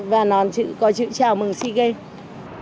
và nón có chữ chào mừng sea games